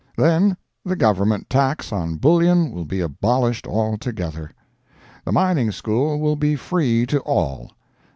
Then, the Government tax on bullion will be abolished altogether. The mining school will be free to all.